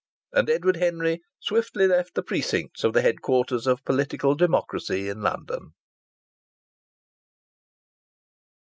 And Edward Henry swiftly left the precincts of the headquarters of political democracy in London.